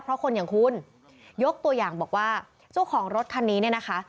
เพราะคนอย่างคุณยกตัวอย่างบอกว่าเจ้าของรถคันนี้เนี่ยนะคะ